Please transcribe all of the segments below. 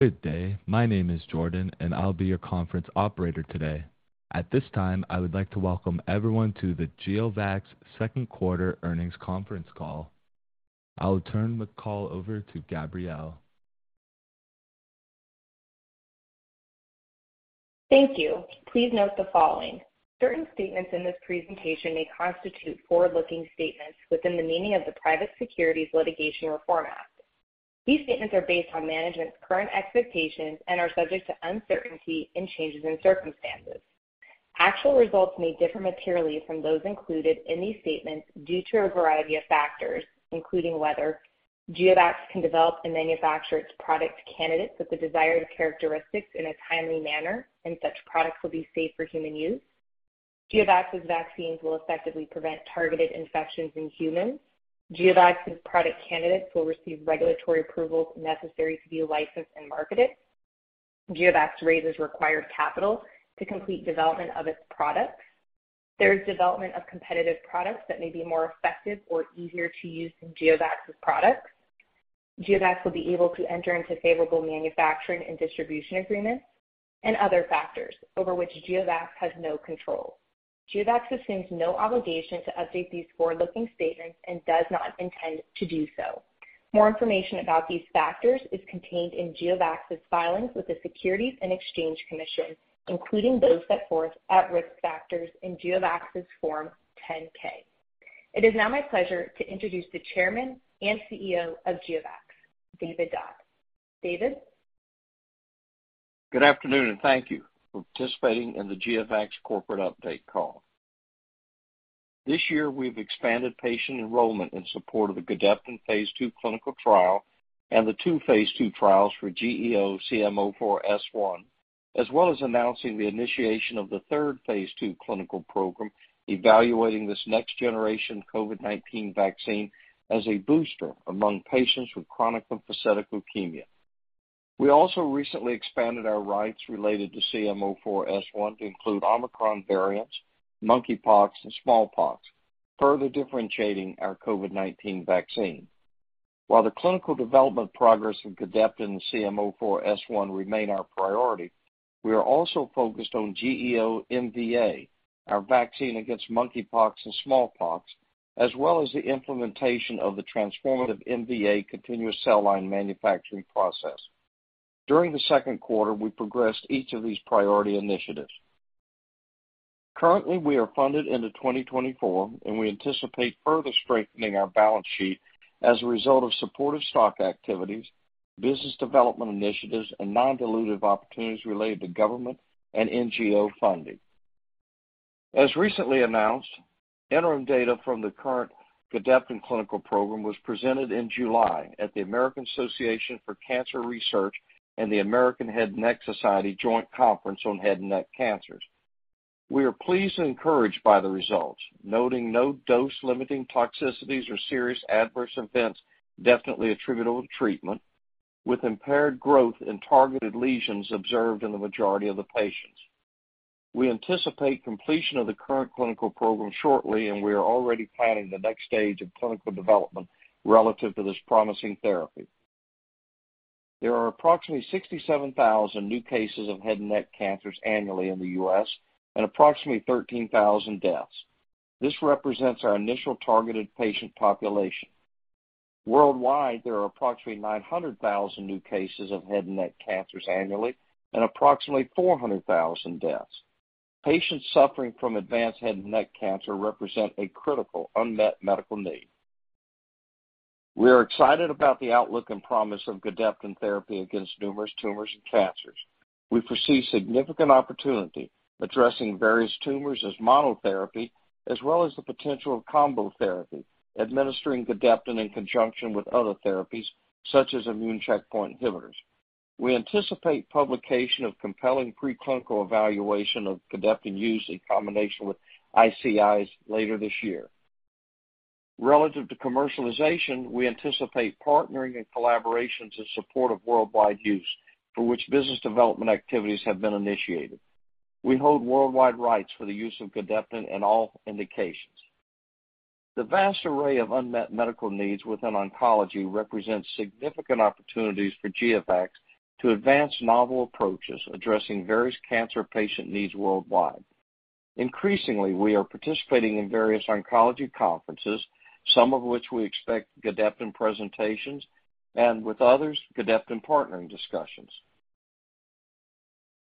Good day. My name is Jordan, and I'll be your conference operator today. At this time, I would like to welcome everyone to the GeoVax Second Quarter Earnings Conference Call. I will turn the call over to Gabrielle. Thank you. Please note the following: Certain statements in this presentation may constitute forward-looking statements within the meaning of the Private Securities Litigation Reform Act. These statements are based on management's current expectations and are subject to uncertainty and changes in circumstances. Actual results may differ materially from those included in these statements due to a variety of factors, including whether GeoVax can develop and manufacture its product candidates with the desired characteristics in a timely manner, and such products will be safe for human use, GeoVax's vaccines will effectively prevent targeted infections in humans, GeoVax's product candidates will receive regulatory approvals necessary to be licensed and marketed, GeoVax raises required capital to complete development of its products, there is development of competitive products that may be more effective or easier to use than GeoVax's products, GeoVax will be able to enter into favorable manufacturing and distribution agreements, and other factors over which GeoVax has no control. GeoVax assumes no obligation to update these forward-looking statements and does not intend to do so. More information about these factors is contained in GeoVax's filings with the Securities and Exchange Commission, including those that forth at risk factors in GeoVax's Form 10-K. It is now my pleasure to introduce the Chairman and CEO of GeoVax, David Dodd. David? Good afternoon, and thank you for participating in the GeoVax corporate update call. This year, we've expanded patient enrollment in support of the Gedeptin phase II clinical trial and the 2 phase II trials for GEO-CM04S1, as well as announcing the initiation of the 3rd phase II clinical program, evaluating this next-generation COVID-19 vaccine as a booster among patients with chronic lymphocytic leukemia. We also recently expanded our rights related to CM04S1 to include Omicron variants, monkeypox, and smallpox, further differentiating our COVID-19 vaccine. While the clinical development progress in Gedeptin and CM04S1 remain our priority, we are also focused on GEO-MVA, our vaccine against monkeypox and smallpox, as well as the implementation of the transformative MVA continuous cell line manufacturing process. During the second quarter, we progressed each of these priority initiatives. Currently, we are funded into 2024. We anticipate further strengthening our balance sheet as a result of supportive stock activities, business development initiatives, and non-dilutive opportunities related to government and NGO funding. As recently announced, interim data from the current Gedeptin clinical program was presented in July at the American Association for Cancer Research and the American Head and Neck Society Joint Conference on Head and Neck Cancers. We are pleased and encouraged by the results, noting no dose-limiting toxicities or serious adverse events definitely attributable to treatment, with impaired growth in targeted lesions observed in the majority of the patients. We anticipate completion of the current clinical program shortly. We are already planning the next stage of clinical development relative to this promising therapy. There are approximately 67,000 new cases of head and neck cancers annually in the U.S. and approximately 13,000 deaths. This represents our initial targeted patient population. Worldwide, there are approximately 900,000 new cases of head and neck cancers annually and approximately 400,000 deaths. Patients suffering from advanced head and neck cancer represent a critical unmet medical need. We are excited about the outlook and promise of Gedeptin therapy against numerous tumors and cancers. We foresee significant opportunity addressing various tumors as monotherapy, as well as the potential of combo therapy, administering Gedeptin in conjunction with other therapies, such as immune checkpoint inhibitors. We anticipate publication of compelling preclinical evaluation of Gedeptin use in combination with ICIs later this year. Relative to commercialization, we anticipate partnering and collaborations in support of worldwide use, for which business development activities have been initiated. We hold worldwide rights for the use of Gedeptin in all indications. The vast array of unmet medical needs within oncology represents significant opportunities for GeoVax to advance novel approaches addressing various cancer patient needs worldwide. Increasingly, we are participating in various oncology conferences, some of which we expect Gedeptin presentations, and with others, Gedeptin partnering discussions.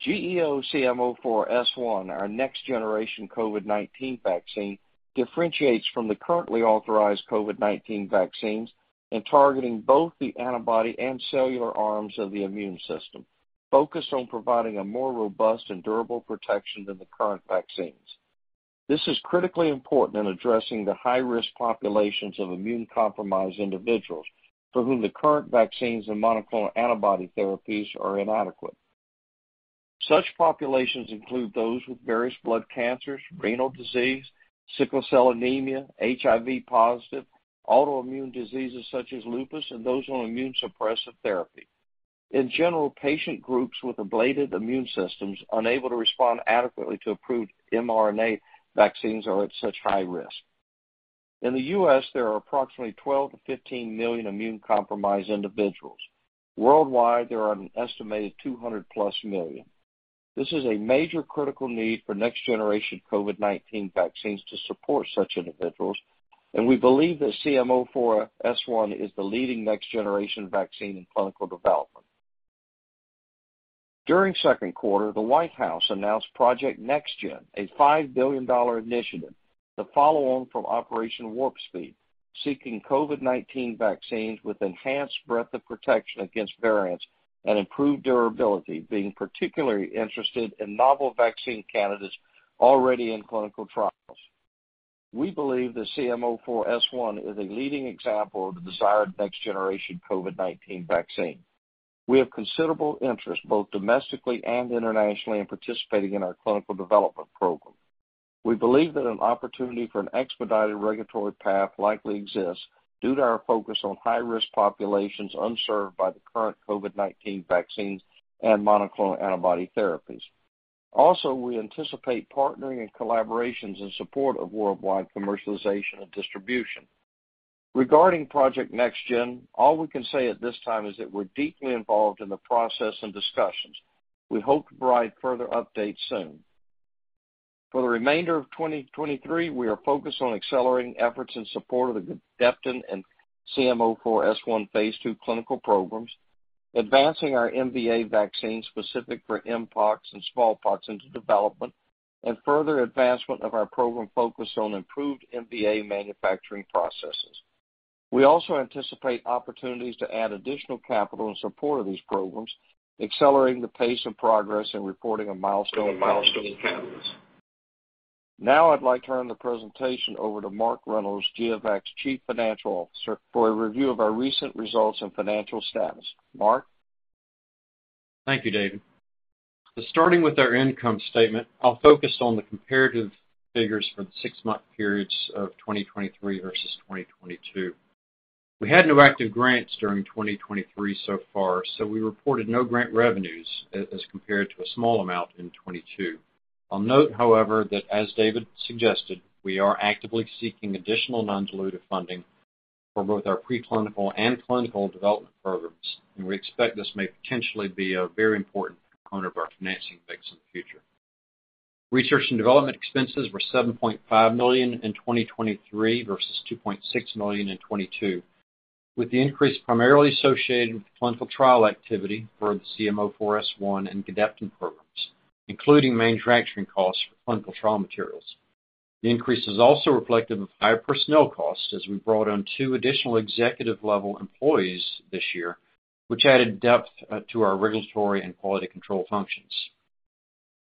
GEO-CM04S1, our next-generation COVID-19 vaccine, differentiates from the currently authorized COVID-19 vaccines in targeting both the antibody and cellular arms of the immune system, focused on providing a more robust and durable protection than the current vaccines. This is critically important in addressing the high-risk populations of immunocompromised individuals for whom the current vaccines and monoclonal antibody therapies are inadequate. Such populations include those with various blood cancers, renal disease, sickle cell anemia, HIV positive, autoimmune diseases such as lupus, and those on immunosuppressive therapy. In general, patient groups with ablated immune systems unable to respond adequately to approved mRNA vaccines are at such high risk. In the U.S., there are approximately 12 million-15 million immunocompromised individuals. Worldwide, there are an estimated 200+ million. This is a major critical need for next-generation COVID-19 vaccines to support such individuals, and we believe that CM04S1 is the leading next-generation vaccine in clinical development. During second quarter, the White House announced Project NextGen, a $5 billion initiative, the follow-on from Operation Warp Speed, seeking COVID-19 vaccines with enhanced breadth of protection against variants and improved durability, being particularly interested in novel vaccine candidates already in clinical trials. We believe that CM04S1 is a leading example of the desired next-generation COVID-19 vaccine. We have considerable interest, both domestically and internationally, in participating in our clinical development program. We believe that an opportunity for an expedited regulatory path likely exists due to our focus on high-risk populations unserved by the current COVID-19 vaccines and monoclonal antibody therapies. We anticipate partnering and collaborations in support of worldwide commercialization and distribution. Regarding Project NextGen, all we can say at this time is that we're deeply involved in the process and discussions. We hope to provide further updates soon. For the remainder of 2023, we are focused on accelerating efforts in support of the Gedeptin and CM04S1 phase II clinical programs, advancing our MVA vaccine specific for Mpox and smallpox into development, and further advancement of our program focused on improved MVA manufacturing processes. We also anticipate opportunities to add additional capital in support of these programs, accelerating the pace and progress in reporting of milestone payments. Now, I'd like to turn the presentation over to Mark Reynolds, GeoVax's Chief Financial Officer, for a review of our recent results and financial status. Mark? Thank you, David. Starting with our income statement, I'll focus on the comparative figures for the six-month periods of 2023 versus 2022. We had no active grants during 2023 so far, so we reported no grant revenues as compared to a small amount in 2022. I'll note, however, that as David suggested, we are actively seeking additional non-dilutive funding for both our preclinical and clinical development programs, and we expect this may potentially be a very important component of our financing mix in the future. Research and development expenses were $7.5 million in 2023 versus $2.6 million in 2022, with the increase primarily associated with the clinical trial activity for the GEO-CM04S1 and Gedeptin programs, including manufacturing costs for clinical trial materials. The increase is also reflective of higher personnel costs as we brought on 2 additional executive-level employees this year, which added depth to our regulatory and quality control functions.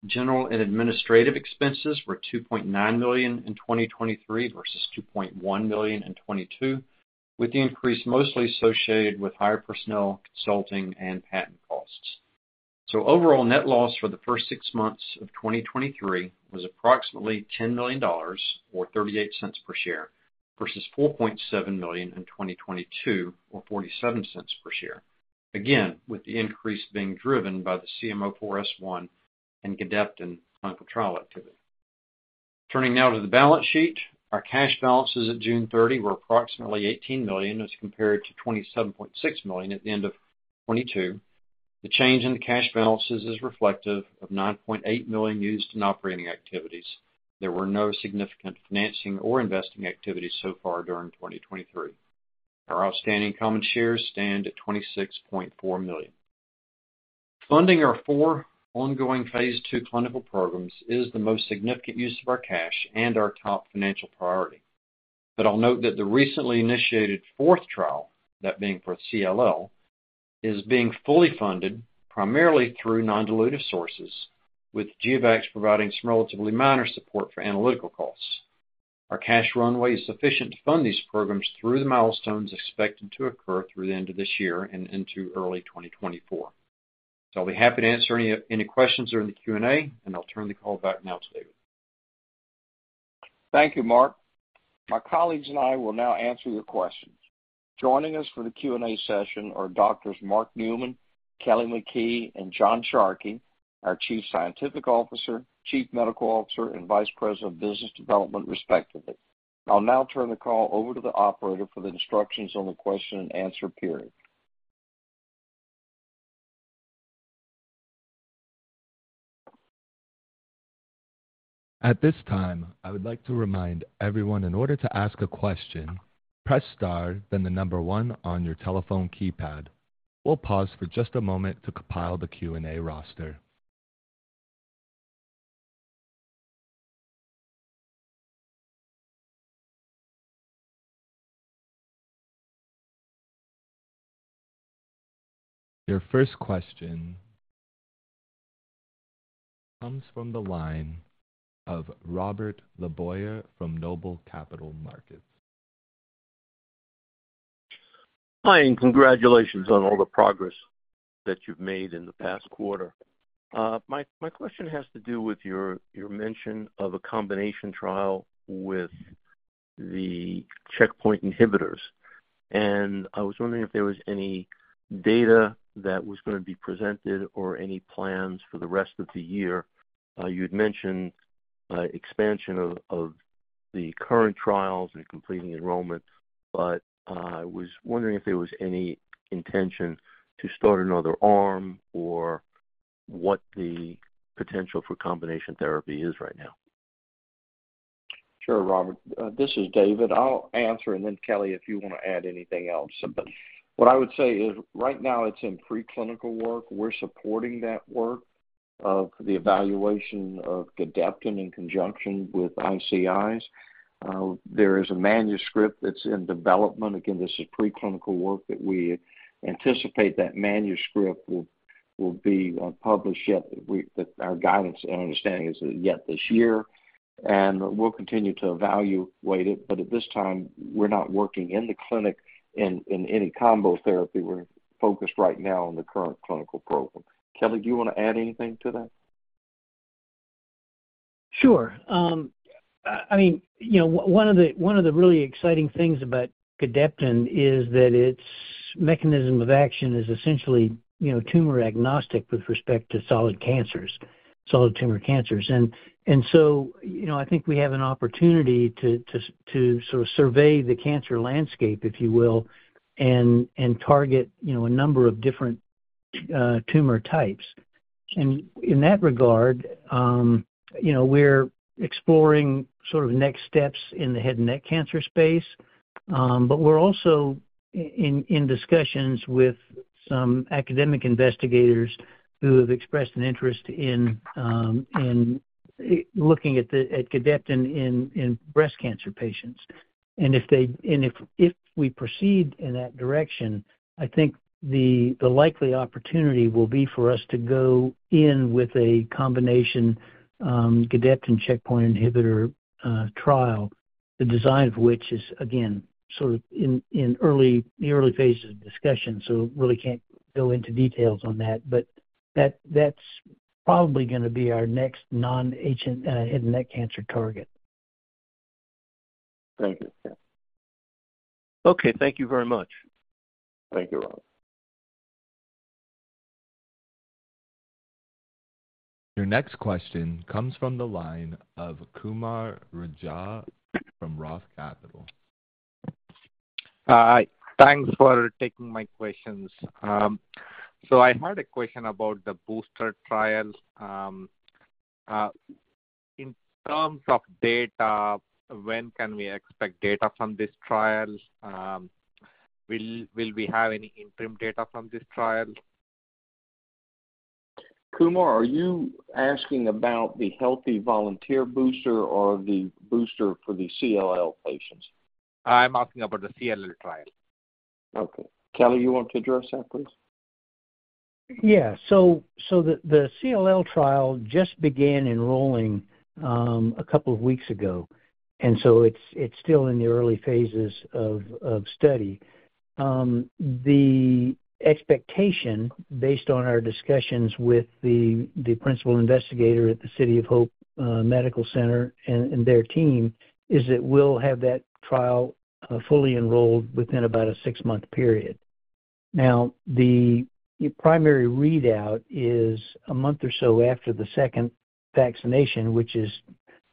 General and administrative expenses were $2.9 million in 2023 versus $2.1 million in 2022, with the increase mostly associated with higher personnel, consulting, and patent costs. Overall net loss for the first 6 months of 2023 was approximately $10 million, or $0.38 per share, versus $4.7 million in 2022, or $0.47 per share. Again, with the increase being driven by the GEO-CM04S1 and Gedeptin clinical trial activity. Turning now to the balance sheet. Our cash balances at June 30 were approximately $18 million, as compared to $27.6 million at the end of 2022. The change in the cash balances is reflective of $9.8 million used in operating activities. There were no significant financing or investing activities so far during 2023. Our outstanding common shares stand at 26.4 million. Funding our 4 ongoing phase II clinical programs is the most significant use of our cash and our top financial priority. I'll note that the recently initiated 4th trial, that being for CLL, is being fully funded primarily through non-dilutive sources, with GeoVax providing some relatively minor support for analytical costs. Our cash runway is sufficient to fund these programs through the milestones expected to occur through the end of this year and into early 2024. I'll be happy to answer any, any questions during the Q&A, and I'll turn the call back now to David. Thank you, Mark. My colleagues and I will now answer your questions. Joining us for the Q&A session are Doctors Mark Newman, Kelly McKee, and John Sharkey, our Chief Scientific Officer, Chief Medical Officer, and Vice President of Business Development, respectively. I'll now turn the call over to the operator for the instructions on the question and answer period. At this time, I would like to remind everyone in order to ask a question, press star, then 1 on your telephone keypad. We'll pause for just a moment to compile the Q&A roster. Your first question comes from the line of Robert LeBoyer from Noble Capital Markets. Hi, congratulations on all the progress that you've made in the past quarter. My, my question has to do with your, your mention of a combination trial with the checkpoint inhibitors. I was wondering if there was any data that was going to be presented or any plans for the rest of the year. You had mentioned expansion of the current trials and completing enrollment, but I was wondering if there was any intention to start another arm or what the potential for combination therapy is right now. Sure, Robert. This is David. I'll answer, and then, Kelly, if you want to add anything else. What I would say is, right now it's in preclinical work. We're supporting that work of the evaluation of Gedeptin in conjunction with ICIs. There is a manuscript that's in development. Again, this is preclinical work that we anticipate that manuscript will, will be, published yet, that our guidance and understanding is that yet this year, and we'll continue to evaluate it. At this time, we're not working in the clinic in, in any combo therapy. We're focused right now on the current clinical program. Kelly, do you want to add anything to that? Sure. I, I mean, you know, one of the, one of the really exciting things about Gedeptin is that its mechanism of action is essentially, you know, tumor-agnostic with respect to solid cancers, solid tumor cancers. So, you know, I think we have an opportunity to, to, to sort of survey the cancer landscape, if you will, and, and target, you know, a number of different tumor types. In that regard, you know, we're exploring sort of next steps in the head and neck cancer space, but we're also in discussions with some academic investigators who have expressed an interest in, looking at Gedeptin in breast cancer patients. If we proceed in that direction, I think the, the likely opportunity will be for us to go in with a combination, Gedeptin checkpoint inhibitor trial, the design of which is, again, sort of in, in early, the early phases of discussion, so really can't go into details on that. That, that's probably gonna be our next non-agent head and neck cancer target. Thank you. Okay. Thank you very much. Thank you, Robert. Your next question comes from the line of Kumar Raja from ROTH Capital. Thanks for taking my questions. I had a question about the booster trial. In terms of data, when can we expect data from this trial? Will, will we have any interim data from this trial? Kumar, are you asking about the healthy volunteer booster or the booster for the CLL patients? I'm asking about the CLL trial. Okay. Kelly, you want to address that, please? Yeah. The CLL trial just began enrolling, a couple of weeks ago, and so it's still in the early phases of study. The expectation, based on our discussions with the principal investigator at the City of Hope Medical Center and their team, is that we'll have that trial fully enrolled within about a six-month period. Now, the primary readout is a month or so after the second vaccination, which is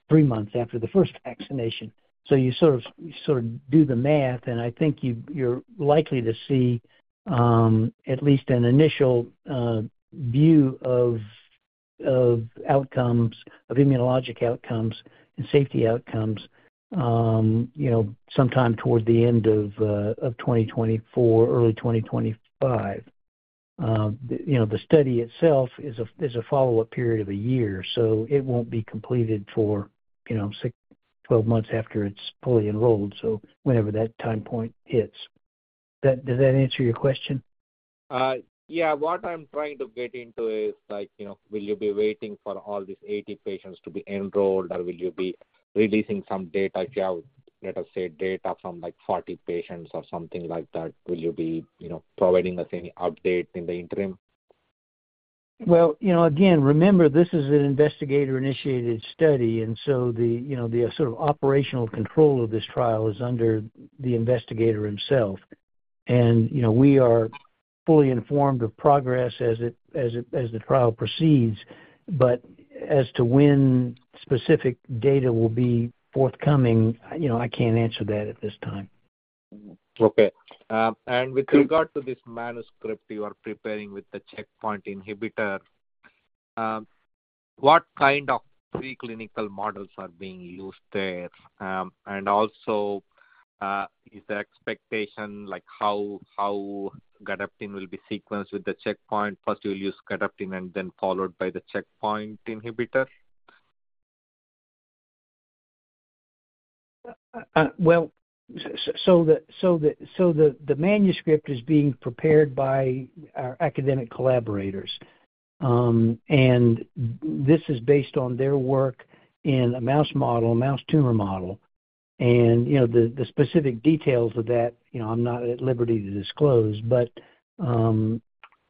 three months after the first vaccination. You sort of do the math, and I think you're likely to see, at least an initial view of outcomes, of immunologic outcomes and safety outcomes, you know, sometime toward the end of 2024, early 2025. You know, the study itself is a, is a follow-up period of a year. It won't be completed for, you know, six, 12 months after it's fully enrolled, so whenever that time point hits. Does that, does that answer your question? Yeah. What I'm trying to get into is, like, you know, will you be waiting for all these 80 patients to be enrolled, or will you be releasing some data, let us say, data from, like, 40 patients or something like that? Will you be, you know, providing us any update in the interim? You know, again, remember, this is an investigator-initiated study, and so the, you know, the sort of operational control of this trial is under the investigator himself. You know, we are fully informed of progress as it, as it, as the trial proceeds, but as to when specific data will be forthcoming, you know, I can't answer that at this time. Okay. With regard to this manuscript you are preparing with the checkpoint inhibitor, what kind of preclinical models are being used there? Also, is the expectation like how, how Gedeptin will be sequenced with the checkpoint? First you'll use Gedeptin and then followed by the checkpoint inhibitor? Well, so the manuscript is being prepared by our academic collaborators, and this is based on their work in a mouse model, a mouse tumor model, and, you know, the, the specific details of that, you know, I'm not at liberty to disclose.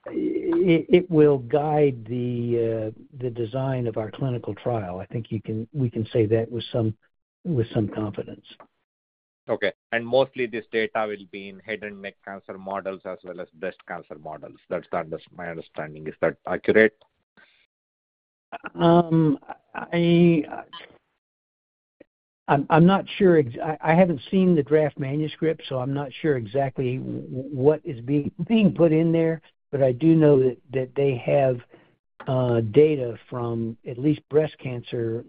It will guide the design of our clinical trial. I think we can say that with some, with some confidence. Okay. Mostly this data will be in head and neck cancer models as well as breast cancer models. That's my understanding. Is that accurate? I'm not sure, I haven't seen the draft manuscript, so I'm not sure exactly what is being, being put in there. But I do know that, that they have data from atleast breast cancer,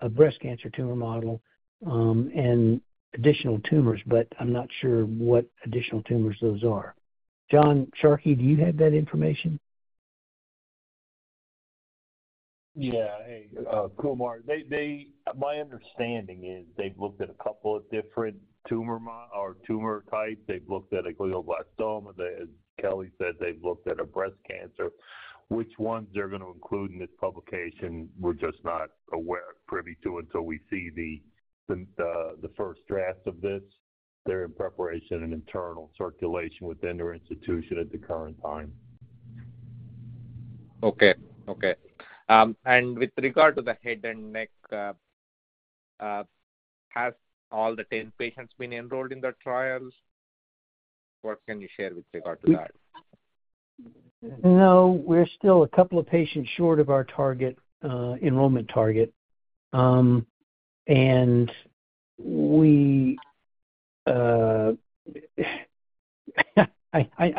a breast cancer tumor model, and additional tumors, but I'm not sure what additional tumors those are. John Sharkey, do you have that information? Yeah. Hey, Kumar. They, they, my understanding is they've looked at a couple of different tumor or tumor types. They've looked at a glioblastoma. They, as Kelly said, they've looked at a breast cancer. Which ones they're going to include in this publication, we're just not aware or privy to it until we see the first draft of this. They're in preparation and internal circulation within their institution at the current time. Okay. Okay. With regard to the head and neck, have all the 10 patients been enrolled in the trials? What can you share with regard to that? No, we're still a couple of patients short of our target enrollment target. I know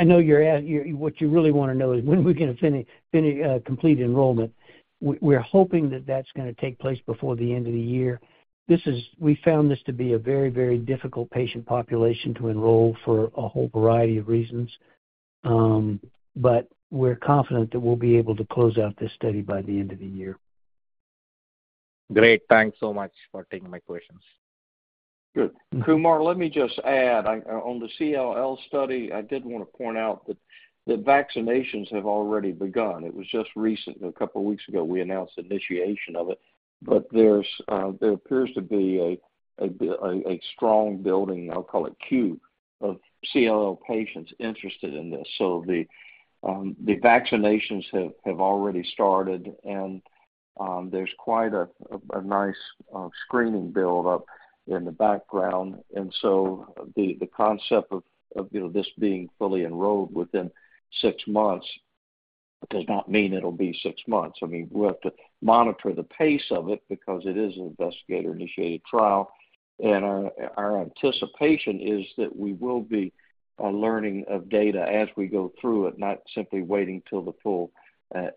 what you really want to know is when we're going to finish, finish complete enrollment. We're hoping that that's gonna take place before the end of the year. We found this to be a very, very difficult patient population to enroll for a whole variety of reasons. We're confident that we'll be able to close out this study by the end of the year. Great. Thanks so much for taking my questions. Good. Kumar, let me just add, on, on the CLL study, I did want to point out that the vaccinations have already begun. It was just recent. 2 weeks ago, we announced the initiation of it. There appears to be a strong building, I'll call it, queue of CLL patients interested in this. The vaccinations have already started, and there's quite a nice screening build-up in the background. The concept of you know, this being fully enrolled within 6 months does not mean it'll be 6 months. I mean, we'll have to monitor the pace of it because it is an investigator-initiated trial, and our, our anticipation is that we will be learning of data as we go through it, not simply waiting till the full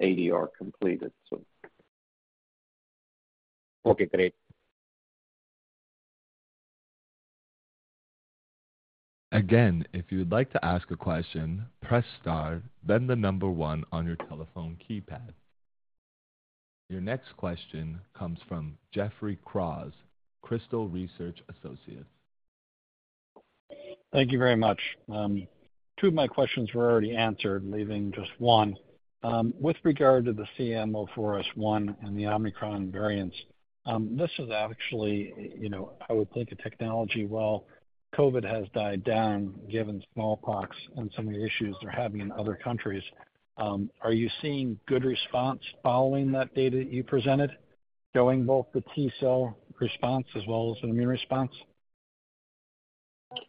ADR completed. Okay, great. Again, if you would like to ask a question, press star, then the number one on your telephone keypad. Your next question comes from Jeffrey Kraws, Crystal Research Associates. Thank you very much. Two of my questions were already answered, leaving just one. With regard to the GEO-CM04S1 and the Omicron variants, this is actually, you know, I would think a technology, well, COVID has died down, given smallpox and some of the issues they're having in other countries. Are you seeing good response following that data that you presented, showing both the T-cell response as well as the immune response?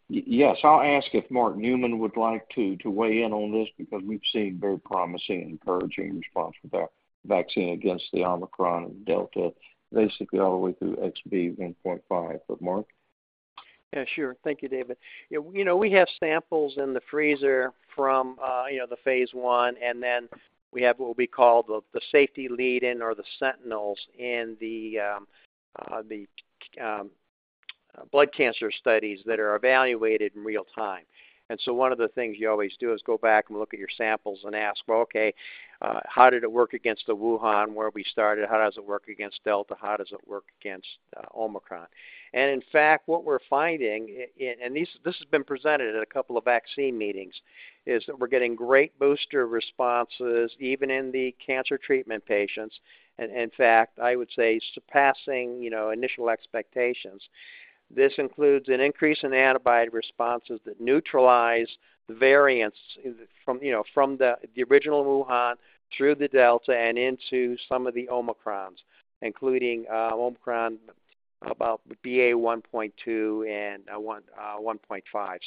Yes. I'll ask if Mark Newman would like to, to weigh in on this, because we've seen very promising and encouraging response with our vaccine against the Omicron and Delta, basically all the way through XBB.1.5. Mark? Yeah, sure. Thank you, David. Yeah, you know, we have samples in the freezer from, you know, the phase 1, and then we have what we call the, the safety lead-in or the sentinels in the blood cancer studies that are evaluated in real time. One of the things you always do is go back and look at your samples and ask, "Well, okay, how did it work against the Wuhan, where we started? How does it work against Delta? How does it work against Omicron?" What we're finding, This has been presented at a couple of vaccine meetings, is that we're getting great booster responses, even in the cancer treatment patients. I would say surpassing, you know, initial expectations. This includes an increase in antibody responses that neutralize the variants from, you know, from the, the original Wuhan through the Delta and into some of the Omicron, including Omicron, about BA.1.2 and 1.5.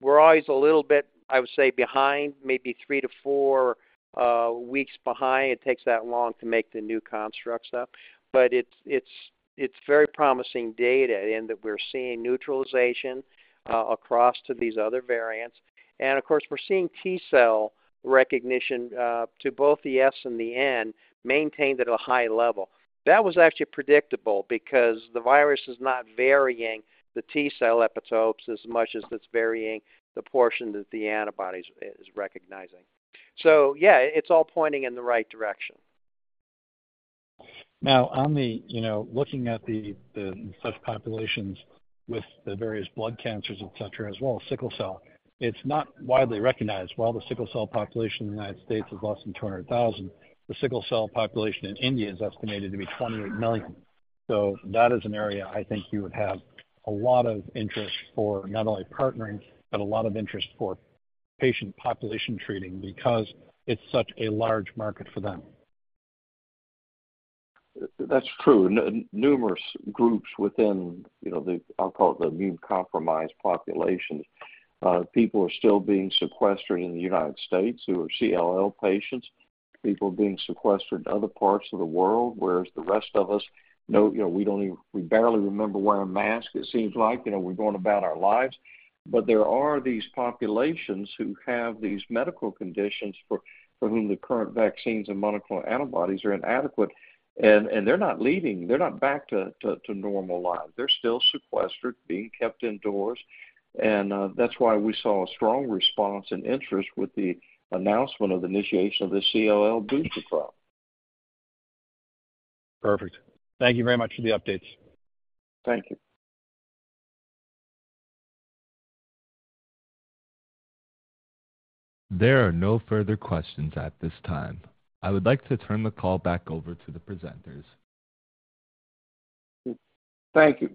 We're always a little bit, I would say, behind, maybe 3 weeks-4 weeks behind. It takes that long to make the new constructs up. It's, it's, it's very promising data in that we're seeing neutralization across to these other variants. Of course, we're seeing T-cell recognition to both the S and the N, maintained at a high level. That was actually predictable because the virus is not varying the T-cell epitopes as much as it's varying the portion that the antibodies is, is recognizing. Yeah, it's all pointing in the right direction. Now, on the, you know, looking at the, the such populations with the various blood cancers, etc., as well as sickle cell, it's not widely recognized. While the sickle cell population in the United States is less than 200,000, the sickle cell population in India is estimated to be 28 million. That is an area I think you would have a lot of interest for not only partnering, but a lot of interest for patient population treating because it's such a large market for them. That's true. Numerous groups within, you know, the, I'll call it the immunocompromised populations. People are still being sequestered in the United States who are CLL patients, people are being sequestered in other parts of the world, whereas the rest of us know, you know, we don't even we barely remember wearing a mask it seems like. You know, we're going about our lives. There are these populations who have these medical conditions for whom the current vaccines and monoclonal antibodies are inadequate, and they're not leaving. They're not back to normal life. They're still sequestered, being kept indoors, and that's why we saw a strong response and interest with the announcement of the initiation of the CLL booster trial. Perfect. Thank you very much for the updates. Thank you. There are no further questions at this time. I would like to turn the call back over to the presenters. Thank you.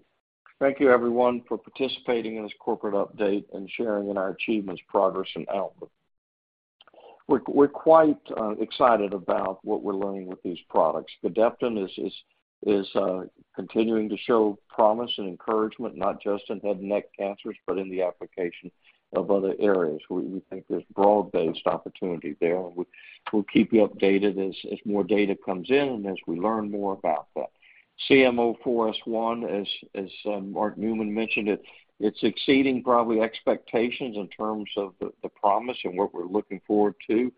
Thank you, everyone, for participating in this corporate update and sharing in our achievements, progress, and outlook. We're, we're quite excited about what we're learning with these products. Gedeptin is, is, is continuing to show promise and encouragement, not just in head and neck cancers, but in the application of other areas. We, we think there's broad-based opportunity there, and we, we'll keep you updated as, as more data comes in and as we learn more about that. GEO-CM04S1, as, as Mark Newman mentioned it, it's exceeding probably expectations in terms of the, the promise and what we're looking forward to.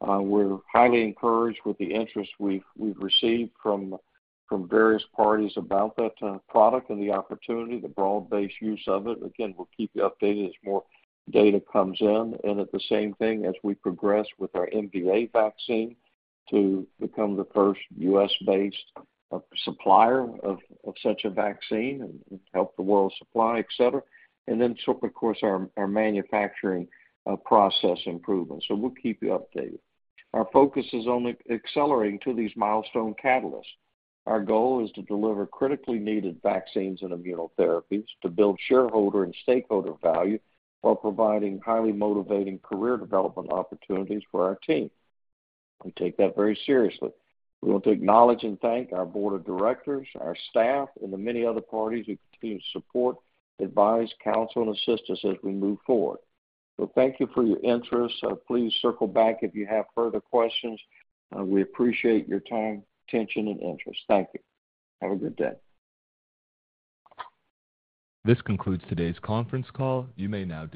We're highly encouraged with the interest we've, we've received from, from various parties about that product and the opportunity, the broad-based use of it. Again, we'll keep you updated as more data comes in. At the same thing, as we progress with our MVA vaccine to become the first U.S.-based supplier of, of such a vaccine and help the world supply, etc. Of course, our, our manufacturing process improvements. We'll keep you updated. Our focus is on accelerating to these milestone catalysts. Our goal is to deliver critically needed vaccines and immunotherapies to build shareholder and stakeholder value, while providing highly motivating career development opportunities for our team. We take that very seriously. We want to acknowledge and thank our board of directors, our staff, and the many other parties who continue to support, advise, counsel, and assist us as we move forward. Thank you for your interest. Please circle back if you have further questions. We appreciate your time, attention, and interest. Thank you. Have a good day. This concludes today's conference call. You may now disconnect.